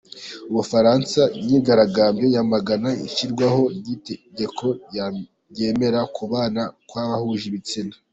U Bufaransa Imyigaragambyo yamagana ishyirwaho ry’itegeko ryemera kubana kw’abahuje ibitsina